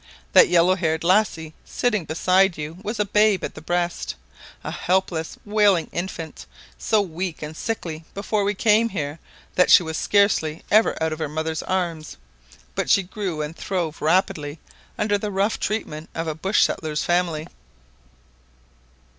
That yellow haired lassie knitting beside you was a babe at the breast; a helpless, wailing infant, so weak and sickly before we came here that she was scarcely ever out of her mother's arms; but she grew and throve rapidly under the rough treatment of a bush settler's family.